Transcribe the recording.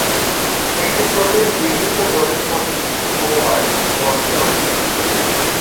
একটি প্রোটিন বিভিন্ন জটিল প্রোটিন-সমবায় গঠনে অংশ নিতে পারে।